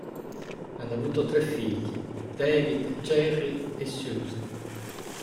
Hanno avuto tre figli: David, Jerry e Susan.